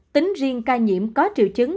tính riêng ca nhiễm có triệu chứng